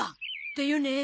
だよね。